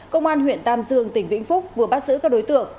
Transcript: công an huyện tam dương tỉnh vĩnh phúc vừa bắt giữ các đối tượng